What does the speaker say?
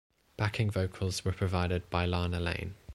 Backing vocals were provided by Lana Lane.